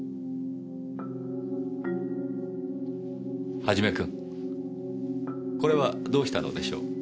元君これはどうしたのでしょう？